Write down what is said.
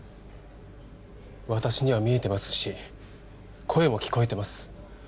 私には見えてますし声も聞こえてます